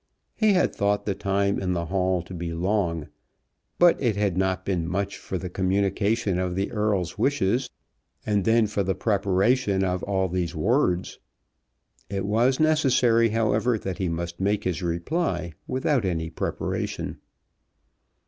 He had thought the time in the hall to be long, but it had not been much for the communication of the Earl's wishes, and then for the preparation of all these words. It was necessary, however, that he must make his reply without any preparation.